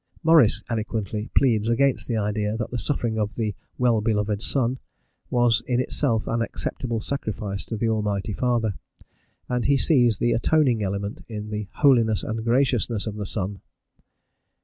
Maurice eloquently pleads against the idea that the suffering of the "well beloved Son" was in itself an acceptable sacrifice to the Almighty Father, and he sees the atoning element in the "holiness and graciousness of the Son."